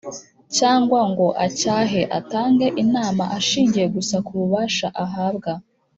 cyangwa ngo acyahe atange inama ashingiye gusa ku bubasha ahabwa